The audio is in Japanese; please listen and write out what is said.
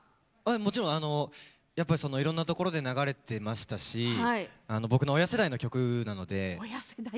もちろんいろんなところで流れていましたし僕の親世代の曲なので。